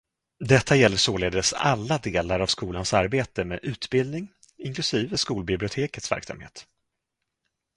Detta gäller således alla delar av skolans arbete med utbildning, inklusive skolbibliotekets verksamhet.